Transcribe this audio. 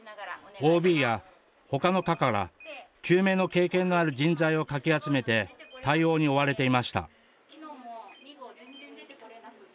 ＯＢやほかの科から救命の経験のある人材をかき集めて対応に追われていました。